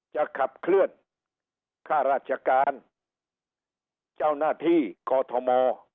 จะขับเคลื่อนค่าราชการเจ้าหน้าที่กอทม